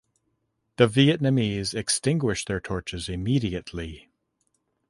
The Vietnamese extinguished their torches immediately.